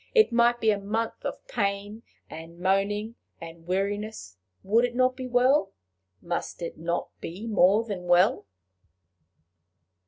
it might be a month of pain and moaning and weariness, would it not be well? must it not be more than well?